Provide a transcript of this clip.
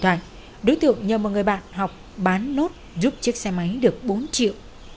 hãy đăng ký kênh để ủng hộ kênh của mình nhé